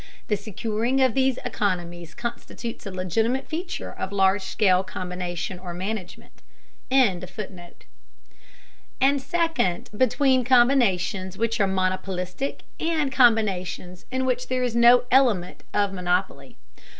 The securing of these economies constitutes a legitimate feature of large scale combination or management.]; and second, between combinations which are monopolistic and combinations in which there is no element of monopoly.